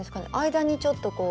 間にちょっとこう。